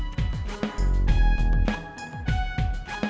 kan rumahnya jauh bu ansor